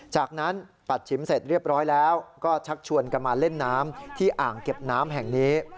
จากนั้นปัดฉิมเสร็จเรียบร้อยแล้วก็ชักชวนกันมาเล่นน้ำที่อ่างเก็บน้ำแห่งนี้